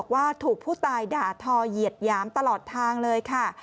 ว่าถูกผู้ตายด่าทอเหยียดหยามตลอดทางเลยค่ะ